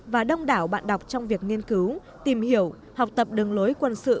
và đông đảo bạn đọc trong việc nghiên cứu tìm hiểu học tập đường lối quân sự